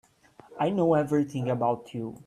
I know everything about you.